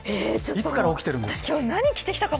いつから起きてるんですか。